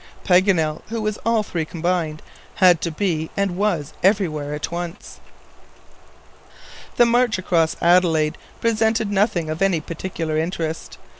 Paganel, who was all three combined, had to be and was everywhere at once. The march across Adelaide presented nothing of any particular interest.